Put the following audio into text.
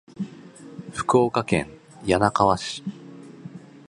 福岡県柳川市